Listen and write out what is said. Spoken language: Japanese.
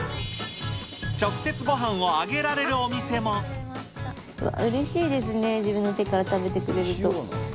直接ごはんをあげられるお店うれしいですね、自分の手から食べてくれると。